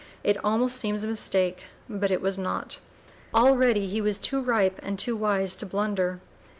It almost seems a mistake, but it was not. Already he was too ripe and too wise to blunder.